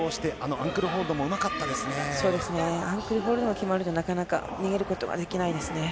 アンクルホールドが決まるとなかなか逃げることはできないですね。